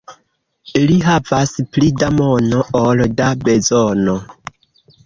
Li havas pli da mono ol da bezono.